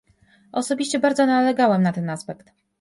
Osobiście bardzo nalegałem na ten aspekt